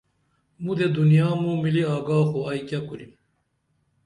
مُدے دُنیا موں ملی آگا خو ائی کیہ کُرِم